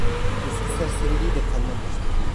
Eski serseriliği de kalmamıştı.